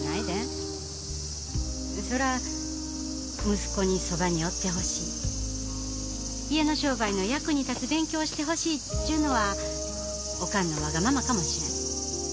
そら息子にそばにおってほしい家の商売の役に立つ勉強をしてほしいっちゅうのはおかんのわがままかもしれん。